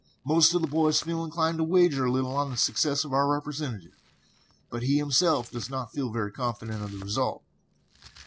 Most of the boys feel inclined to wager a little on the success of our representative, but he himself does not feel very confident of the result.